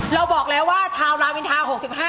เราบอกแล้วว่าชาวลามอินทา๖๕